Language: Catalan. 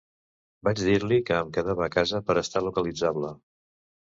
Vaig dir-li que em quedava a casa per a estar localitzable.